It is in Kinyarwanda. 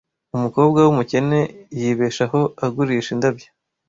Umukobwa wumukene yibeshaho agurisha indabyo.